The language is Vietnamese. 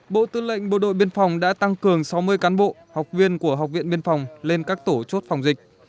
bộ tư lệnh bộ đội biên phòng đã tăng cường sáu mươi cán bộ học viên của học viện biên phòng lên các tổ chốt phòng dịch